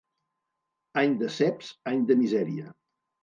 Any de ceps, any de misèria.